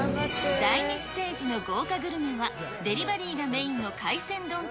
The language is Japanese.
第２ステージの豪華グルメはデリバリーがメインの海鮮丼店、